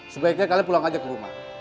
sebaiknya kalian pulang aja ke rumah